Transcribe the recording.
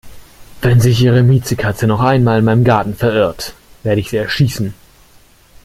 Wenn sich Ihre Miezekatze noch einmal in meinen Garten verirrt, werde ich sie erschießen!